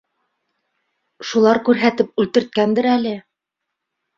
Шулар күрһәтеп үлтерткәндер әле.